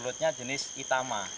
kelulutnya jenis itama